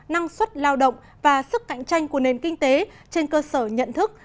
năng suất lao động và sức cạnh tranh của nền kinh tế trên cơ sở nhận thức